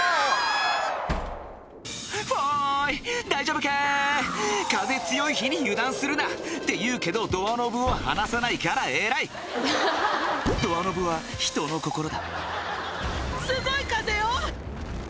フォーい大丈夫かー風強い日に油断するなていうけどドアノブを離さないからえらいドアノブは人の心だ